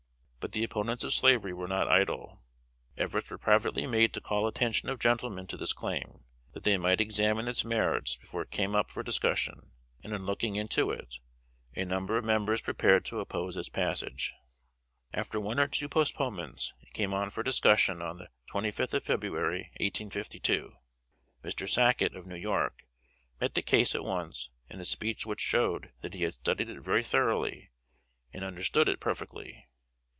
But the opponents of slavery were not idle. Efforts were privately made to call attention of gentlemen to this claim, that they might examine its merits before it came up for discussion; and on looking into it, a number of members prepared to oppose its passage. [Sidenote: 1852.] After one or two postponements, it came on for discussion on the twentieth of February, 1852. Mr. Sacket, of New York, met the case at once, in a speech which showed that he had studied it very thoroughly, and understood it perfectly.